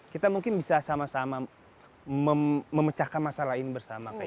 kita mungkin bisa sama sama memecahkan masalah ini bersama